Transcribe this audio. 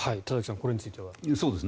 これについては。